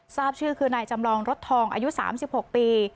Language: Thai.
ทราบชื่อคือนายจำลองรถทองอายุ๓๖ปี